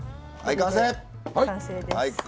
完成です。